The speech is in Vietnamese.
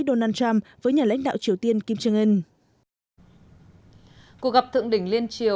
donald trump với nhà lãnh đạo triều tiên